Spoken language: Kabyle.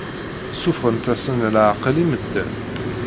Ssuffɣent-asen leɛqel i medden.